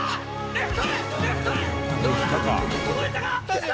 レフトへ！